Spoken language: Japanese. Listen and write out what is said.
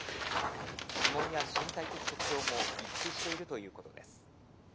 指紋や身体的特徴も一致しているということです。